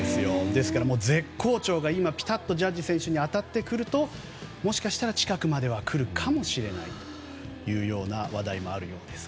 ですから絶好調がぴたっとジャッジ選手に当たってくると、もしかしたら近くまで来るかもしれないという話題もあるようです。